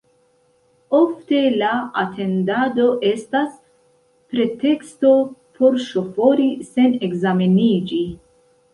Ofte la atendado estas preteksto por ŝofori sen ekzameniĝi.